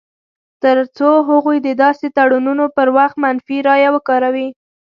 تر څو هغوی د داسې تړونونو پر وخت منفي رایه وکاروي.